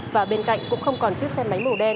và bên cạnh cũng không còn chiếc xe máy màu đen